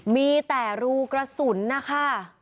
มีแต่รูกระสุนนะคะ